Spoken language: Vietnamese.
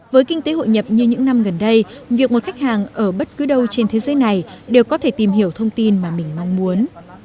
với kinh tế hội nhập như những năm gần đây việc một khách hàng ở bất cứ đâu trên thế giới này đều có thể tìm hiểu thông tin mà mình mong muốn